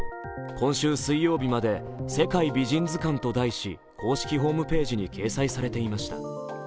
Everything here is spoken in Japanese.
今週水曜日まで世界美人図鑑と題し公式ホームページに掲載されていました。